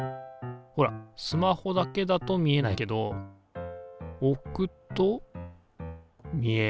ほらスマホだけだと見えないけど置くと見える。